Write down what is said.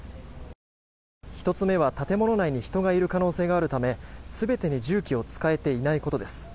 １つ目は建物内に人がいる可能性があるため全てに重機を使えていないことです。